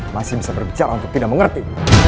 masih bisa berbicara untuk tidak mengerti